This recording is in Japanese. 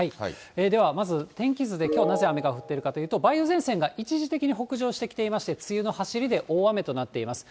ではまず天気図できょう、なぜ雨が降っているかというと、梅雨前線が一時的に北上してきていまして、梅雨のはしりで大雨となっています。